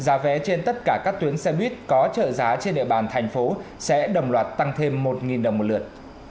giá vé trên tất cả các tuyến xe buýt có trợ giá trên địa bàn thành phố sẽ đồng loạt tăng thêm một đồng một lượt